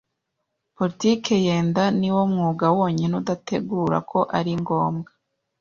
Politiki yenda niwo mwuga wonyine udategura ko ari ngombwa.